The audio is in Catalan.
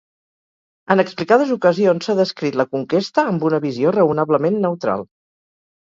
En explicades ocasions s'ha descrit la Conquesta amb una visió raonablement neutral.